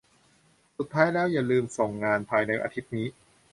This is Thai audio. สุดท้ายแล้วอย่าลืมส่งงานภายในอาทิตย์นี้